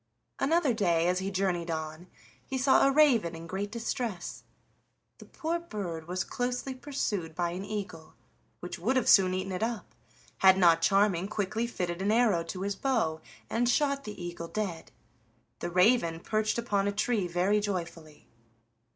Another day, as he journeyed on, he saw a raven in great distress. The poor bird was closely pursued by an eagle, which would soon have eaten it up, had not Charming quickly fitted an arrow to his bow and shot the eagle dead. The raven perched upon a tree very joyfully.